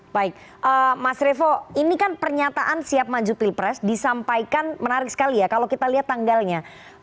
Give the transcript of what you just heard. baik mas revo ini kan pernyataan siap maju pilpres disampaikan menarik sekali ya kalau kita lihat tanggalnya